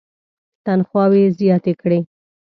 تنخواوې یې زیاتې کړې.